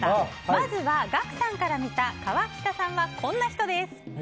まずはガクさんから見た川北さんはこんな人です。